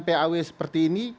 paw seperti ini